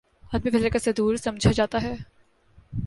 حتمی فیصلے کا صدور سمجھا جاتا ہے